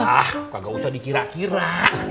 ah kagak usah dikira kira